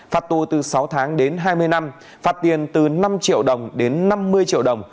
phạt tù từ sáu tháng đến hai mươi năm phạt tiền từ năm triệu đồng đến năm mươi triệu đồng